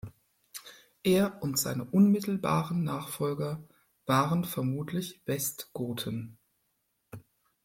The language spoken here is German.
Er und seine unmittelbaren Nachfolger waren vermutlich Westgoten.